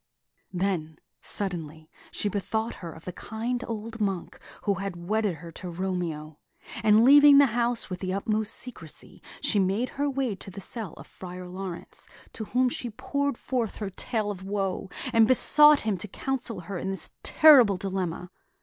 Then, suddenly, she bethought her of the kind old monk who had wedded her to Romeo; and leaving the house with the utmost secrecy, she made her way to the cell of Friar Laurence, to whom she poured forth her tale of woe, and besought him to counsel her in this terrible dilemma.